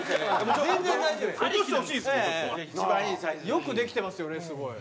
よくできてますよねすごい。